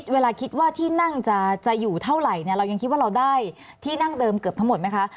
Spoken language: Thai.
เวลาคิดว่าที่นั่งจะอยู่เท่าไหร่เรายังคิดว่าเราได้ที่นั่งเดิมเกือบทั้งหมดไหมคะ